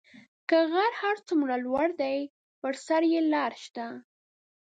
که غر څومره لوړ دی پر سر یې لار شته